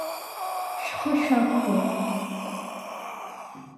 Шәхы шәақәгәыӷ!